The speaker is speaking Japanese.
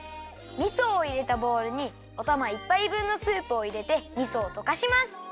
みそをいれたボウルにおたま１ぱい分のスープをいれてみそをとかします！